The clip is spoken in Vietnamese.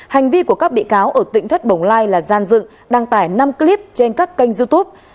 hành vi của các bị cáo ở tỉnh thất bồng lai là gian dựng đăng tải năm clip trên các kênh youtube